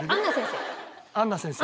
アンナ先生？